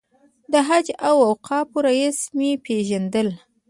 د حج او اوقافو رییس مې پېژندل.